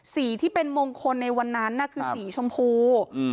สีที่เป็นมงคลในวันนั้นน่ะคือสีชมพูอืม